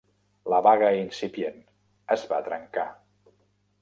La vaga incipient es va trencar.